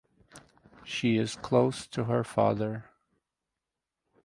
She is close to her father.